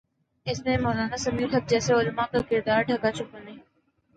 اس میں مولانا سمیع الحق جیسے علماء کا کردار ڈھکا چھپا نہیں۔